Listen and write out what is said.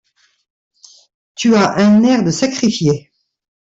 Tu as un air de sacrifié !